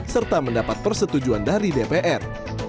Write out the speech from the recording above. serta mendapat persetujuan dari dpr